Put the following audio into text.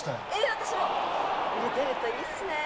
私も売れてるといいっすね